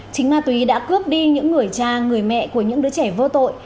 chính ma túy đã cướp đi những người cha người mẹ của những đứa trẻ vô tội